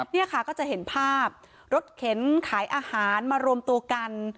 นี่ค่ะก็จะเห็นภาพรถเข็นขายอาหารมารวมตัวกัน